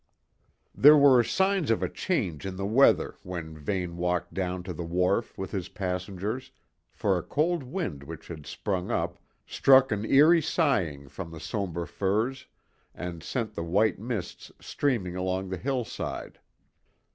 There were signs of a change in the weather when Vane walked down to the wharf with his passengers, for a cold wind which had sprung up struck an eerie sighing from the sombre firs and sent the white mists streaming along the hillside.